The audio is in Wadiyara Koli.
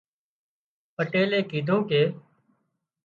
پٽيلئي ڪيڌون ڪي